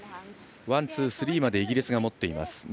ワン、ツー、スリーまでイギリスが持っています。